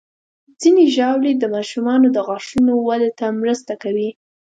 ځینې ژاولې د ماشومانو د غاښونو وده ته مرسته کوي.